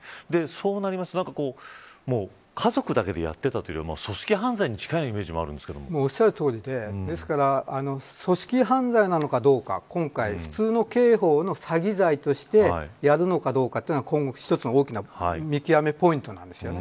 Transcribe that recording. そうなると家族だけでやっていたというよりも組織犯罪に近いおっしゃるとおりで今回、組織犯罪なのかどうか普通の刑法の詐欺罪としてやるのかどうかというのが今後、一つの大きな見極めポイントなんです。